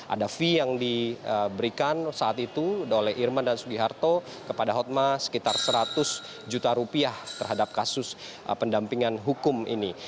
ada fee yang diberikan saat itu oleh irman dan sugiharto kepada hotma sekitar seratus juta rupiah terhadap kasus pendampingan hukum ini